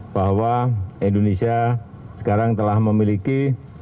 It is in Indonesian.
bahwa indonesia sekarang telah memiliki